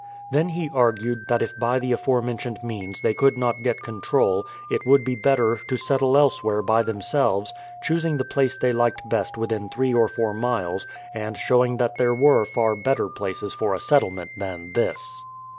Then he argued that if by the aforementioned means they could not get control, it would be better to settle elsewhere by themselves, choosing the place they liked best within three or four miles, and showing that there were far better places for a settle ment than this.